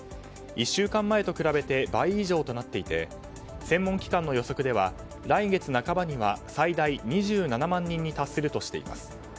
１週間前と比べて倍以上となっていて専門機関の予測では来月半ばには最大２７万人に達するとしています。